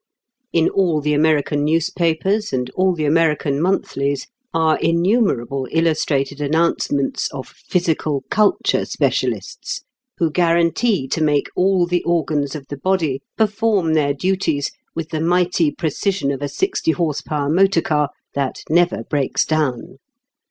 In all the American newspapers and all the American monthlies are innumerable illustrated announcements of "physical culture specialists," who guarantee to make all the organs of the body perform their duties with the mighty precision of a 60 h.p. motor car that never breaks down.